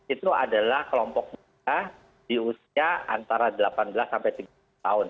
itu adalah kelompok muda di usia antara delapan belas sampai tiga puluh tahun